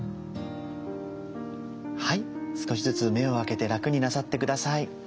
はい少しずつ目を開けて楽になさって下さい。